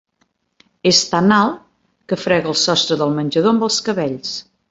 És tan alt, que frega el sostre del menjador amb els cabells.